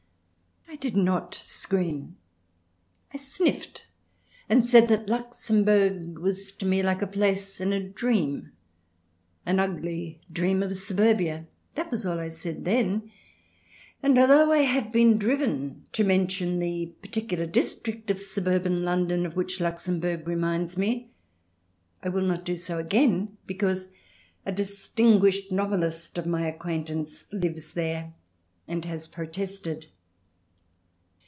I did not scream. I sniffed and said that Luxembourg was to me like a place in a dream, an ugly dream of suburbia. That was all I said then, and although I have been driven to mention the particular district of suburban London of which Luxembourg reminds me, I will not do so again, because a distinguished novelist of my acquaintance lives there, and has protested.